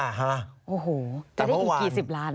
โอ้โหจะได้อีกกี่สิบล้าน